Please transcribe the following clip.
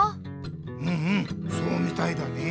うんうんそうみたいだね。